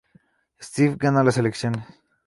Steve gana las elecciones.